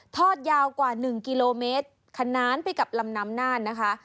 ทอดยาวกว่า๑กิโลเมตรขนานไปกับลำน้ำน่านนะคะ